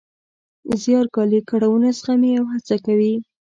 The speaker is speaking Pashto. زیار ګالي، کړاوونه زغمي او هڅه کوي.